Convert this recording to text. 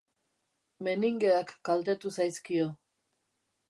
Meningeak kaltetu zaizkio.